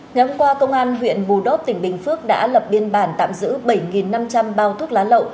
ngày hôm qua công an huyện bù đốc tỉnh bình phước đã lập biên bản tạm giữ bảy năm trăm linh bao thuốc lá lậu